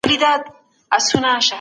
زموږ هیواد زموږ کور دی.